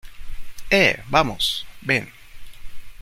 eh, vamos... ven...